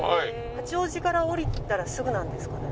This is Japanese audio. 八王子から降りたらすぐなんですかね？